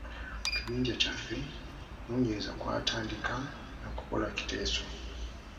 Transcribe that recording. Mu kibinja kyaffe, okunoonyereza kwatandika na kukola kiteeso.